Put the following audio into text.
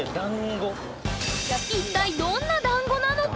一体どんなだんごなのか？